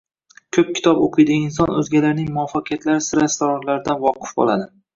Ko‘p kitob o‘qiydigan inson o‘zgalarning muvaffaqiyatlari sir-asrorlaridan voqif bo‘ladi.